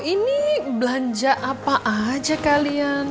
ini belanja apa aja kalian